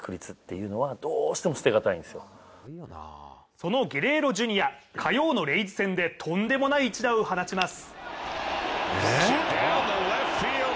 そのゲレーロ・ジュニア、火曜のレイズ戦でとんでもない一打を放ちます。